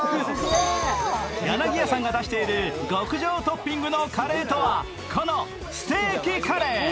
やなぎやさんが出している極上トッピングのカレーとはこのステーキカレー。